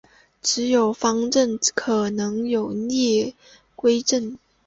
只有方阵才可能有逆矩阵。